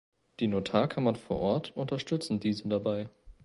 Die Notarkammern vor Ort unterstützen diese dabei.